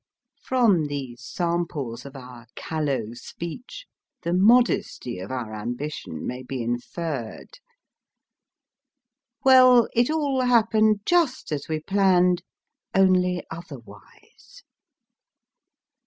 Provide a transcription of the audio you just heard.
From these samples of our callow speech, the modesty of our ambition may be inferred. Well, it all happened just as we planned, only otherwise